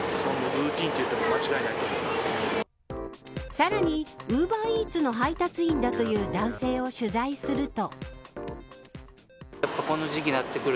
さらにウーバーイーツの配達員だという男性を取材すると。